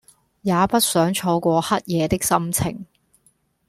也不想錯過黑夜的心情